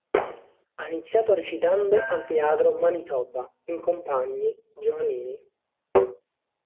Ha iniziato recitando al Teatro Manitoba in compagni giovanili.